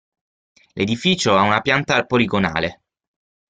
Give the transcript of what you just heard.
L'edificio ha una pianta poligonale.